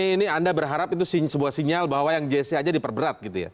ini anda berharap itu sebuah sinyal bahwa yang jc aja diperberat gitu ya